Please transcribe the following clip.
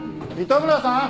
糸村さん！